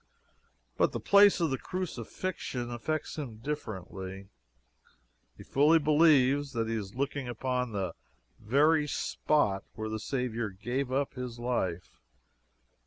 But the place of the Crucifixion affects him differently. He fully believes that he is looking upon the very spot where the Savior gave up his life.